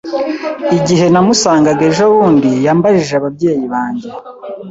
Igihe namusangaga ejobundi, yambajije ababyeyi banjye.